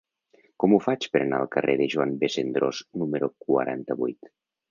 Com ho faig per anar al carrer de Joan B. Cendrós número quaranta-vuit?